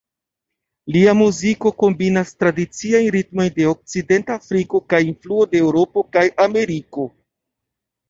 Lia muziko kombinas tradiciajn ritmojn de Okcidenta Afriko kaj influoj de Eŭropo kaj Ameriko.